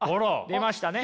出ましたね。